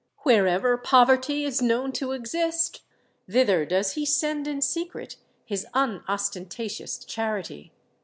Wherever poverty is known to exist, thither does he send in secret his unostentatious charity!